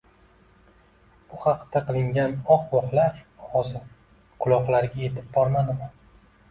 bu haqda qilingan «oh-voh»lar ovozi quloqlariga yetib bormadimi?